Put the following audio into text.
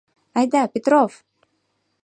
Айда, Петров!..